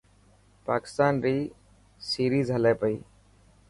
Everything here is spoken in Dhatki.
پاڪستان ري سيريز هلي پئي.